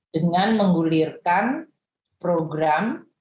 dengan menggulirkan program